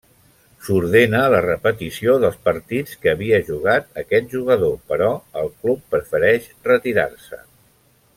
S'ordena la repetició dels partits que havia jugat aquest jugador, però el club prefereix retirar-se.